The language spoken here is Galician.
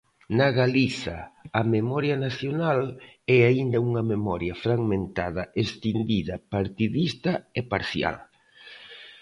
Na Galiza a memoria nacional é aínda unha memoria fragmentada, escindida, partidista e parcial.